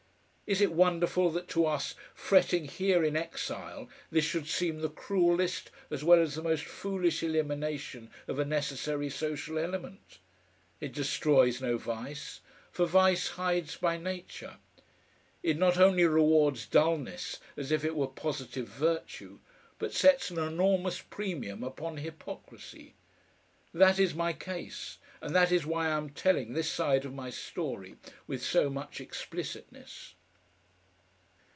Is it wonderful that to us fretting here in exile this should seem the cruellest as well as the most foolish elimination of a necessary social element? It destroys no vice; for vice hides by nature. It not only rewards dullness as if it were positive virtue, but sets an enormous premium upon hypocrisy. That is my case, and that is why I am telling this side of my story with so much explicitness.